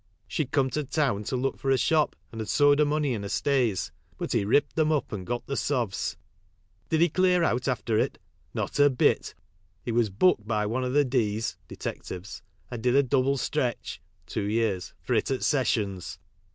She'd come to town to look for a shop, and had sewed her money in her stays, but he ripped them up and got the so vs. Bid he clear out after it ? Not a bit, he was booked bv one of the d's (detectives) and did a double stretch (two years) for it at sessions.